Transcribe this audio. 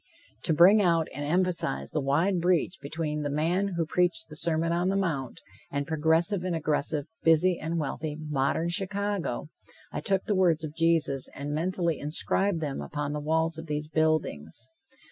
To bring out and emphasize the wide breach between the man who preached the Sermon on the Mount, and progressive and aggressive, busy and wealthy, modern Chicago, I took the words of Jesus and mentally inscribed them upon the walls of these buildings.